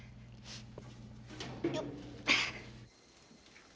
よっ。